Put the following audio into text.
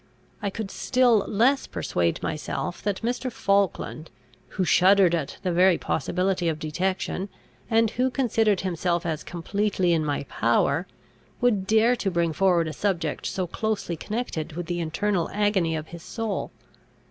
I could still less persuade myself that Mr. Falkland, who shuddered at the very possibility of detection, and who considered himself as completely in my power, would dare to bring forward a subject so closely connected with the internal agony of his soul.